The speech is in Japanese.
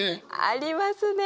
ありますね！